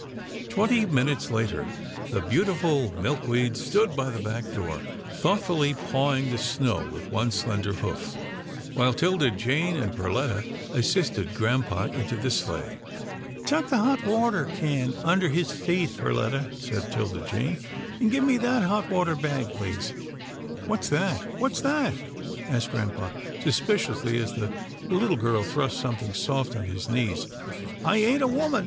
Twenty minutes later, the beautiful Milkweed stood by the back door, thoughtfully pawing the snow with one slender hoof, while 'Tilda Jane and Perletta assisted grampa into the sleigh. " Tuck the hot water can well under his feet, 134 'TILDA JANE'S ORPHANS Perletta," said 'Tilda Jane, and give me that hot water bag, please." " What's that — what's that ?" asked grampa, suspiciously, as the little girl thrust something soft on his knees. " I ain't a woman.